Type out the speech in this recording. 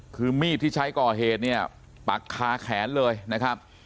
คือมีดที่ใช้ก่อเหตุเนี่ยปักคาแขนเลยนะครับ